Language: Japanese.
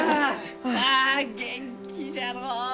あ元気じゃのう。